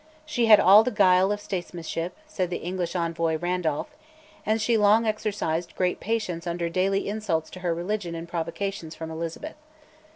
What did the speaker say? She had all the guile of statesmanship, said the English envoy, Randolph; and she long exercised great patience under daily insults to her religion and provocations from Elizabeth.